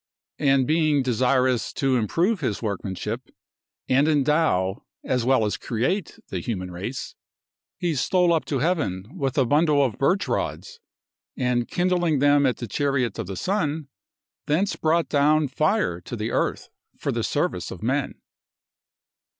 And being desirous to improve his workmanship, and endow, as well as create, the human race, he stole up to heaven with a bundle of birch rods, and kindling them at the chariot of the Sun, thence brought down fire to the earth for the service of men.